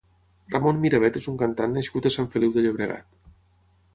Ramon Mirabet és un cantant nascut a Sant Feliu de Llobregat.